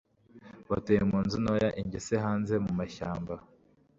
batuye munzu ntoya, ingese hanze mumashyamba